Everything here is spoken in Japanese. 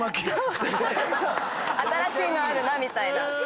新しいのあるなみたいな。